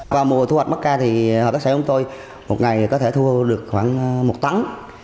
vào mùa thu hoạch bắc ca thì hợp tác xã của tôi một ngày có thể thu được khoảng một tấn